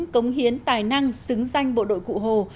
cống hiến tài năng xứng danh bộ đội cụ hồ